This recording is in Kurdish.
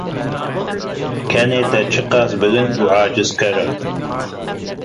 Kenê te çi qas bilind û acizker e!